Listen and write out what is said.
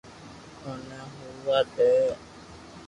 اوني ھووا دي